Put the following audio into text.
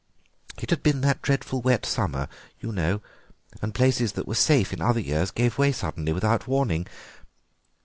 It had been that dreadful wet summer, you know, and places that were safe in other years gave way suddenly without warning.